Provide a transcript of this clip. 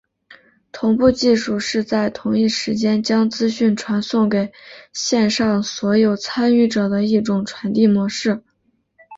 同步技术是在同一时间将资讯传送给线上所有参与者的一种传递模式。